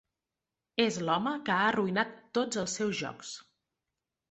És l'home que ha arruïnat tots els seus jocs.